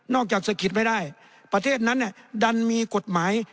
จากสะกิดไม่ได้ประเทศนั้นดันมีกฎหมาย